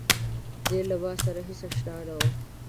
دی له ماسره هېڅ آشنا نه و.